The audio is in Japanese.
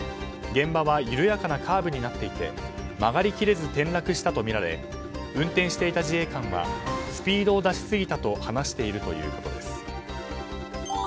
現場は緩やかなカーブになっていて曲がり切れず転落したとみられ運転していた自衛官はスピードを出しすぎたと話しているということです。